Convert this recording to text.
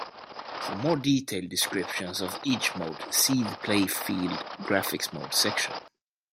For more detailed descriptions of each Mode see the Playfield Graphics Modes section.